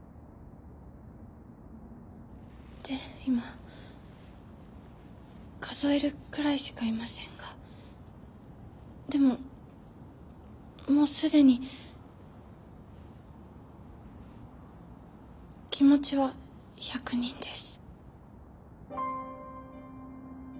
で今数えるくらいしかいませんがでももう既に気持ちは１００人です。